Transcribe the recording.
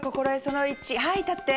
はい立って。